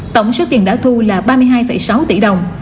tổng số tiền đã thu là ba mươi hai sáu tỷ đồng